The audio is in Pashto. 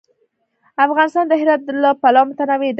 افغانستان د هرات له پلوه متنوع دی.